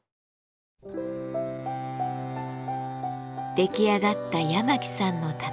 出来上がった八巻さんの畳。